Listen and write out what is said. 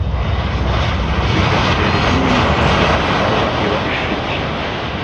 bigaterwa n’imbaraga inkuba iba ifite.